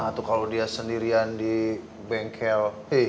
atau kalo dia sendirian di bengkel